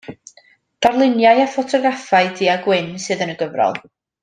Darluniau a ffotograffau du-a-gwyn sydd yn y gyfrol.